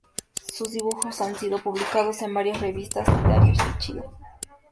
Sus dibujos han sido publicados en varias revistas y diarios de Chile.